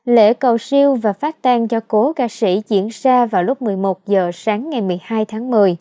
lễ cầu siêu và phát tan cho cố ca sĩ diễn ra vào lúc một mươi một h sáng ngày một mươi hai tháng một mươi